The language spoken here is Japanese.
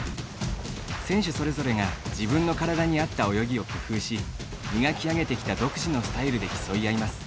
選手それぞれが自分の体に合った泳ぎを工夫し磨き上げてきた独自のスタイルで競い合います。